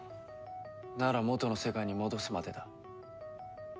なら元の世界に戻すまでだ。